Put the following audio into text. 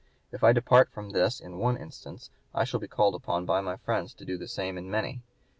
If I depart from this in one instance I shall be called upon by my friends to do the same in many.